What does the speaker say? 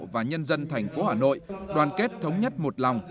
và nhân dân thành phố hà nội đoàn kết thống nhất một lòng